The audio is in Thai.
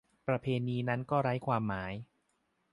ประเพณีนั้นก็ไร้ความหมาย